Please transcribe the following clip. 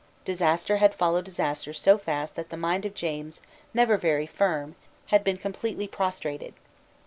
Disaster had followed disaster so fast that the mind of James, never very firm, had been completely prostrated.